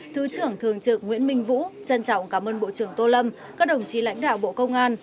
thứ trưởng thường trực nguyễn minh vũ trân trọng cảm ơn bộ trưởng tô lâm các đồng chí lãnh đạo bộ công an